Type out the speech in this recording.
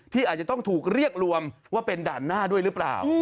อาจจะต้องถูกเรียกรวมว่าเป็นด่านหน้าด้วยหรือเปล่า